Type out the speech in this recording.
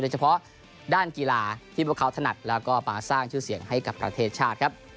เฉพาะด้านกีฬาที่พวกเขาถนัดแล้วก็มาสร้างชื่อเสียงให้กับประเทศชาติครับ